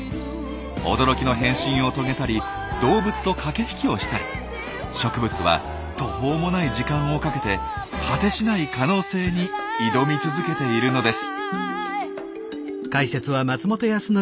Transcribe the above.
驚きの変身を遂げたり動物と駆け引きをしたり植物は途方もない時間をかけて果てしない可能性に挑み続けているのです。